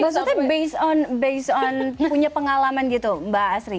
maksudnya based on punya pengalaman gitu mbak asri